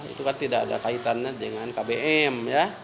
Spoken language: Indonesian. itu kan tidak ada kaitannya dengan kbm